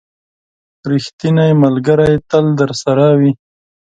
• ریښتینی ملګری تل درسره وي.